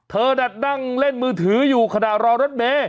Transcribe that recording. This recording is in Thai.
เธอน่ะนั่งเล่นมือถืออยู่ขณะรอรถเมย์